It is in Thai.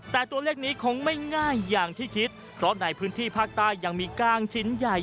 แต่ตัวเลขนี้คงไม่ง่ายอย่างที่คิดเพราะในพื้นที่ภาคใต้ยังมีกล้างชิ้นใหญ่